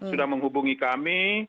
sudah menghubungi kami